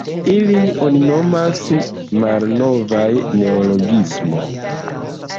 Ilin oni nomas "malnovaj neologismoj".